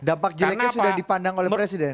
dampak jeleknya sudah dipandang oleh presiden